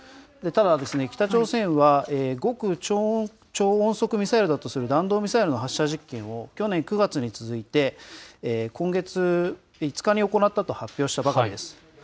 ただですね、北朝鮮は極超音速ミサイルだとする弾道ミサイルの発射実験を、去年９月に続いて、今月５日に行ったと発表したばかりです。